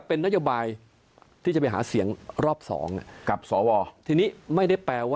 เผลอด้วยเกิน๖๓นะครับ